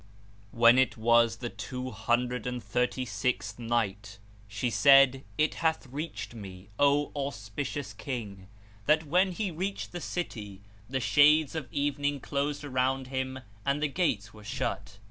When it Was the Two Hundred and Thirty sixth Night, She said, It hath reached me, O auspicious King, that when he reached the city the shades of evening closed around him and the gates were shut.